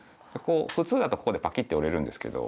普通だとここでパキッて折れるんですけど。